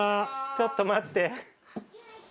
ちょっと待って。